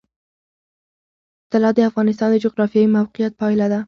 طلا د افغانستان د جغرافیایي موقیعت پایله ده.